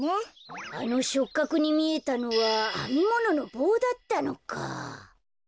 あのしょっかくにみえたのはあみもののぼうだったのか。